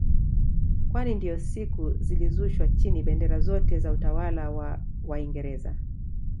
Kwani ndiyo siku zilishushwa chini bendera zote za utawala wa waingereza